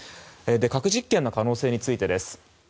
核実験の可能性についてです。